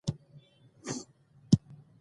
وطـن پـرېښـودو تـه اړ کـړل شـي.